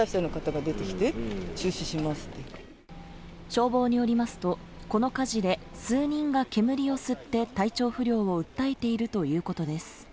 消防によりますと、この火事で数人が煙を吸って体調不良を訴えているということです。